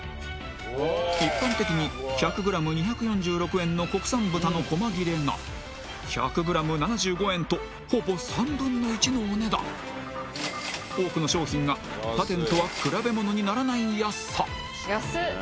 一般的に１００ｇ２４６円の国産豚のこま切れが１００ｇ７５円とほぼ３分の１のお値段多くの商品が他店とは比べものにならない安さ